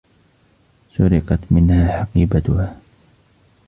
سُرقت منها حقيبتها.